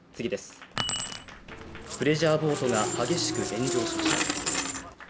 プレジャーボートが激しく炎上しました。